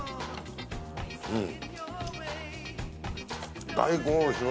うん。